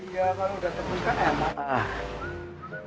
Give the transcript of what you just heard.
iya kalau udah tembus kan emang